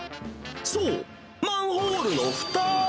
そう、マンホールのふた。